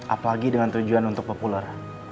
apalagi dengan tujuan untuk populer